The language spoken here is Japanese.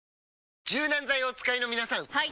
柔軟剤をお使いの皆さんはい！